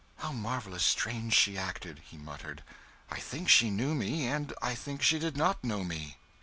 "How marvellous strange she acted," he muttered. "I think she knew me and I think she did not know me.